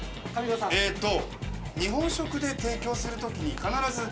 えーっと。